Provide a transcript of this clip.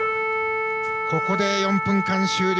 ここで４分間が終了。